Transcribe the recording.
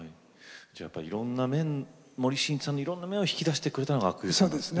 じゃあやっぱりいろんな面森進一さんのいろんな面を引き出してくれたのが阿久悠さんだった。